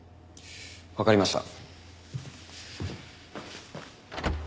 わかりました。